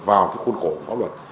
vào cái khuôn khổ của pháp luật